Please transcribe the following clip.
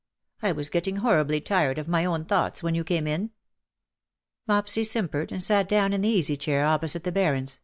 I was getting horribly tired of my own thoughts when you came in.'' Mopsy simpered, and sat down in the easy chair opposite the Baron's.